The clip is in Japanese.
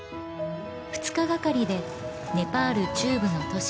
二日がかりでネパール中部の都市